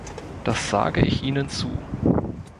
Das sage ich Ihnen zu.